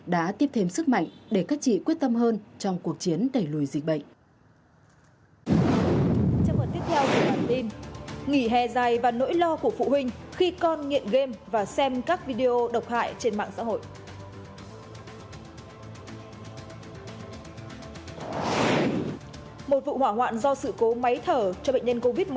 đã tiếp thêm sức mạnh để các chị quyết tâm hơn trong cuộc chiến đẩy lùi dịch bệnh